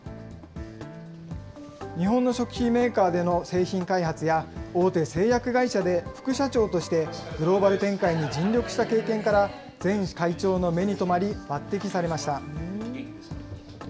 日本の食品メーカーでの製品開発や、大手製薬会社で副社長としてグローバル展開に尽力した経験から、前会長の目に留まり、抜てきされました。